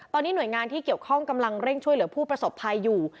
ตอนนี้หน่วยงานที่เกี่ยวข้องกำลังเร่งช่วยเหลือผู้ประสบภัยอยู่